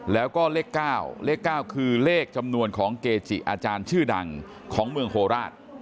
แล้วก็เลข๙เลข๙คือเลขจำนวนของเกจิอาจารย์ชื่อดังของเมืองโคราช